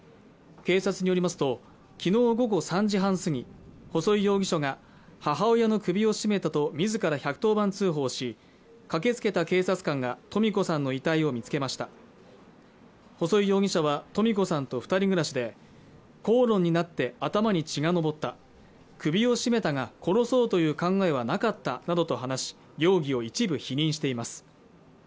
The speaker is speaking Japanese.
警察によりますときのう午後３時半過ぎ細井容疑者が母親の首を絞めたと自ら１１０番通報し駆けつけた警察官が登美子さんの遺体を見つけました細井容疑者は登美子さんと二人暮らしで口論になって頭に血が上った首を絞めたが殺そうという考えはなかったなどと話し容疑を一部否認しています